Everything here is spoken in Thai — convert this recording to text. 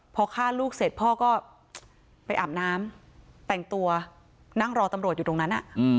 พอฆ่าลูกเสร็จพ่อก็ไปอาบน้ำแต่งตัวนั่งรอตำรวจอยู่ตรงนั้น